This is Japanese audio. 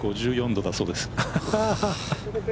５４度だそうです。